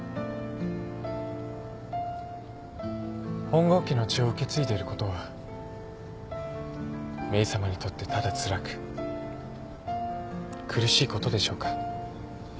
本郷家の血を受け継いでいることはメイさまにとってただつらく苦しいことでしょうか。